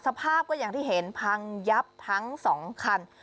สภาพก็อย่างที่เห็นพังยับทั้ง๒คัน